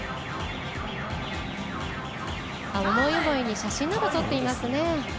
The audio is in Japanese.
思い思いに写真などを撮っていますね。